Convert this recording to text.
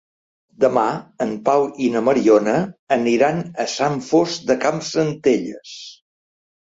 Demà en Pau i na Mariona aniran a Sant Fost de Campsentelles.